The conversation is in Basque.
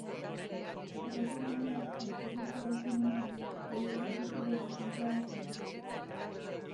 Erreferentziak askoz gutxiago zirenean, horiek askoz ere presenteago zeuden.